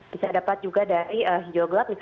bisa dapat juga dari hijau gelap